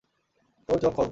তোর চোখ খোল!